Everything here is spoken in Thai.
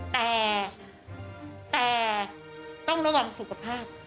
แต่ต้องระวังสุขภาพ